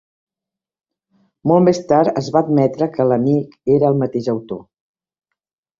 Molt més tard es va admetre que l'"amic" era el mateix autor.